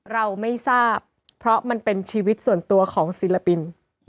เราไม่ทราบเพราะมันเป็นชีวิตส่วนตัวของศิลปิน